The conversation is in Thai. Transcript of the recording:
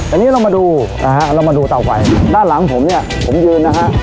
อันนี้เรามาดูนะฮะเรามาดูเตาไฟด้านหลังผมเนี่ยผมยืนนะฮะ